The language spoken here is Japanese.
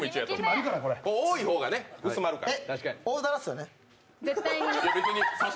多い方が薄まるから。